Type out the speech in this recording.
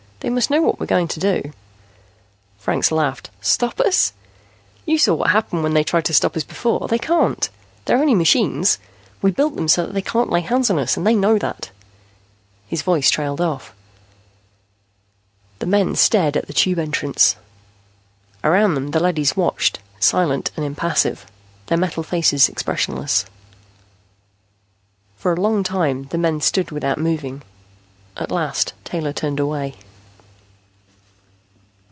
They must know what we're going to do." Franks laughed. "Stop us? You saw what happened when they tried to stop us before. They can't; they're only machines. We built them so they can't lay hands on us, and they know that." His voice trailed off. The men stared at the Tube entrance. Around them the leadys watched, silent and impassive, their metal faces expressionless. For a long time the men stood without moving. At last Taylor turned away.